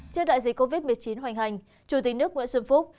trước đại dịch covid một mươi chín hoành hành chủ tịch nước nguyễn xuân phúc